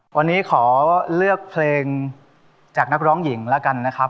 วันนี้ขอเลือกเพลงจากนักร้องหญิงแล้วกันนะครับ